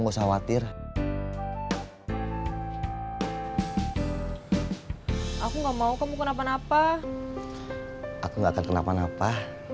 jangan khawatir aku nggak mau kamu kenapa napa aku nggak akan kenapa napa